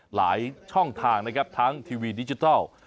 หลายช่องทางนะครับทั้งทีวีดิจิทัล